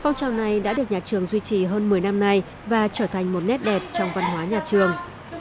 phong trào này đã được nhà trường duy trì hơn một mươi năm nay và trở thành một nét đẹp trong văn hóa nhà trường